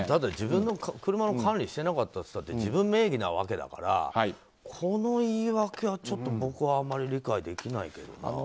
自分の車の管理をしてなかったっていったって自分名義なわけだからこの言い訳はちょっと僕はあまり理解できないけどな。